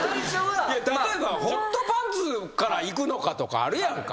例えばホットパンツからいくのかとかあるやんか。